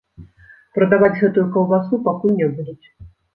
Прадаваць гэтую каўбасу пакуль не будуць.